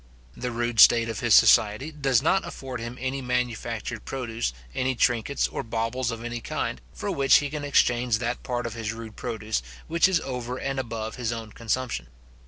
The rude state of his society does not afford him any manufactured produce any trinkets or baubles of any kind, for which he can exchange that part of his rude produce which is over and above his own consumption.